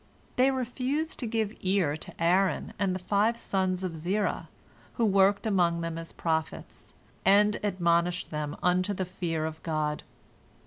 They refused to give ear to Aaron and the five sons of Zerah, who worked among them as prophets, and admonished them unto the fear of God.